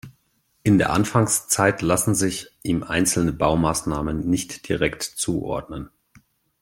In der Anfangszeit lassen sich ihm einzelne Baumaßnahmen nicht direkt zuordnen.